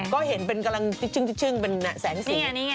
ก็เห็นเป็นกำลังชึ่งเป็นแสงสี